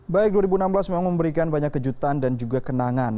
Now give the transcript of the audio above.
baik dua ribu enam belas memang memberikan banyak kejutan dan juga kenangan